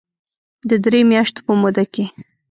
د درې مياشتو په موده کې